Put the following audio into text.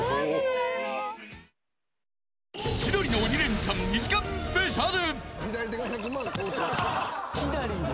「千鳥の鬼レンチャン」２時間スペシャル。